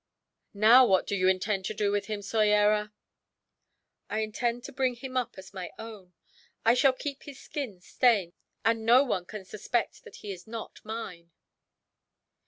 "Now, what do you intend to do with him, Soyera?" "I intend to bring him up as my own. I shall keep his skin stained, and no one can suspect that he is not mine."